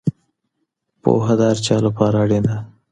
پوهه د هر چا لپاره اړینه ده.